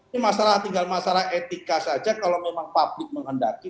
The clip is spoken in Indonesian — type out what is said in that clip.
ini masalah tinggal masalah etika saja kalau memang publik menghendaki